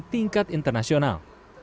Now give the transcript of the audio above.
di tingkat internasional